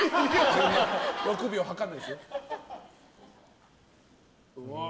６秒計らないです。